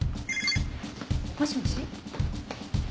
もしもし。